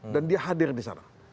dan dia hadir di sana